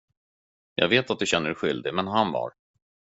Jag vet att du känner dig skyldig, men han var.